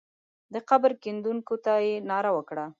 د قبر کیندونکو ته یې ناره وکړه.